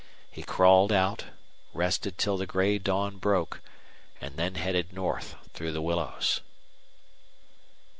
He crawled out, rested till the gray dawn broke, and then headed north through the willows.